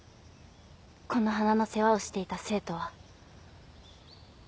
この花の世話をしていた生徒は。